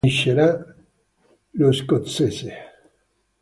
Vincerà lo scozzese.